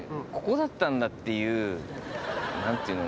ていう何ていうの？